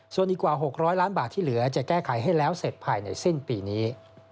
ส่วนอีกกว่า๖๐๐ล้านบาทที่เหลือจะแก้ไขให้แล้วเสร็จภายในสิ้นปีนี้